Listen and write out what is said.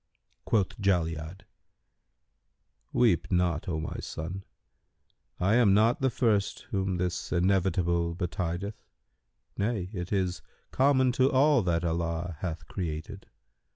Quoth Jali'ad, "Weep not, O my son; I am not the first whom this Inevitable betideth; nay, it is common to all that Allah hath created.